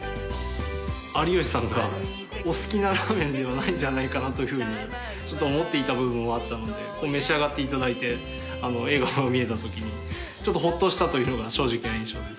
有吉さんがお好きなラーメンではないんじゃないかなというふうに思っていた部分もあったので召し上がっていただいて笑顔が見えたときにちょっとほっとしたというのが正直な印象です。